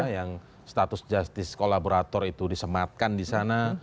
yang status justice kolaborator itu disematkan di sana